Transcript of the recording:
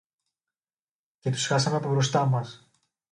Και τους χάσαμε από μπροστά μας.